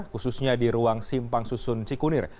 khususnya di ruang simpang susun cikunir